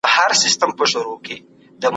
زه اوږده وخت سیر کوم